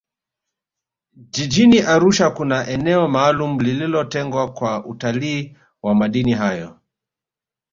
jijini arusha kuna eneo maalumu lililotengwa kwa utalii wa madini hayo